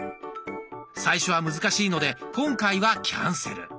最初は難しいので今回はキャンセル。